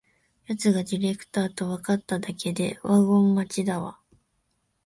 やつがディレクターとわかっただけでワゴン待ちだわ